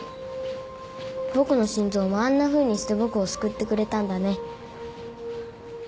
僕の心臓もあんなふうにして僕を救ってくれたんだね。